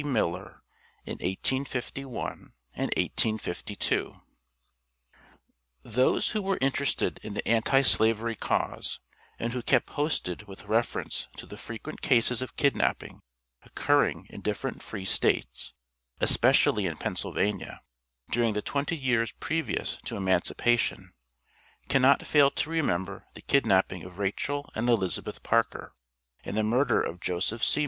MILLER IN 1851 AND 1852. Those who were interested in the Anti Slavery cause, and who kept posted with reference to the frequent cases of kidnapping occurring in different Free States, especially in Pennsylvania, during the twenty years previous to emancipation, cannot fail to remember the kidnapping of Rachel and Elizabeth Parker, and the murder of Joseph C.